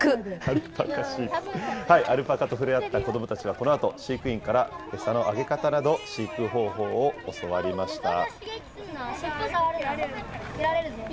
アルパカと触れ合った子どもたちは、このあと飼育員から餌のあげ方など、飼育方法を教わりました。